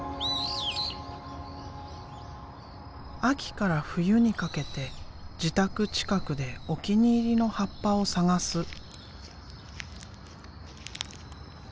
秋から冬にかけて自宅近くでお気に入りの葉っぱを探す。